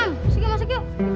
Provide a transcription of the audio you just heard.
masuk yuk masuk yuk